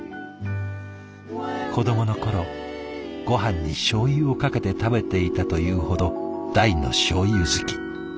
子どもの頃ごはんにしょう油をかけて食べていたというほど大のしょう油好き。